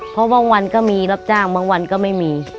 เพราะบางวันก็มีรับจ้างบางวันก็ไม่มี